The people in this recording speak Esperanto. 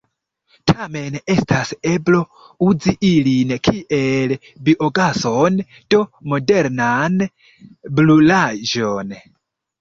Tamen estas eblo uzi ilin kiel biogason, do modernan brulaĵon.